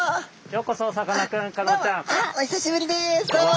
どうもお久しぶりです。